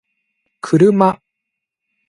kuruma